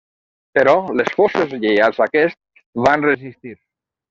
Però les forces lleials a aquest van resistir.